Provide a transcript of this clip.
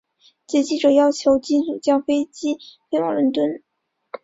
劫机者要求机组将飞机飞往伦敦。